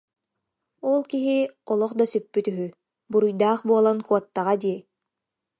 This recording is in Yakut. Ол киһи олох да сүппүт үһү, буруйдаах буолан куоттаҕа дии